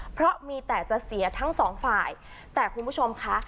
เพราะมีแต่จะเสียทั้งสองฝ่ายแต่คุณผู้ชมคะ